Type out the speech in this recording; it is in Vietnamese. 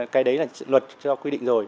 cái đấy là luật cho quy định rồi